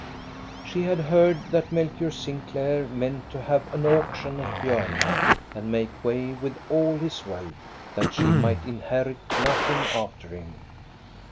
I She had heard that Melchior Sinclair meant to have an auction at Bjorne and make way with all his wealth, that she might inherit nothing after him.